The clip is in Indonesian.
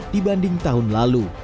dibanding tahun lalu